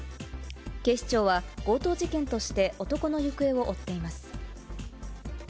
警視庁は、強盗事件として男の行方を追っています。